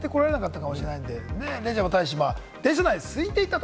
レジャバ大使は電車内すいていたと。